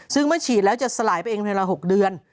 ซึ่งเมื่อฉีดแล้วจะสลายไปเองในเวลา๖เดือน